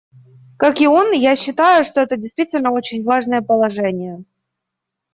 Как и он, я считаю, что это действительно очень важные положения.